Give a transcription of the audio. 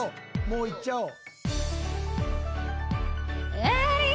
もういっちゃおう。